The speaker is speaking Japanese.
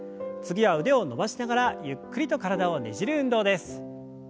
次は腕を伸ばしながらゆっくりと体をねじる運動です。